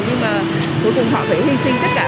nhưng mà cuối cùng họ phải hy sinh tất cả